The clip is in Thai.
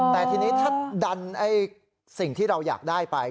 แต่ทีนี้ถ้าดันสิ่งที่เราอยากได้ไป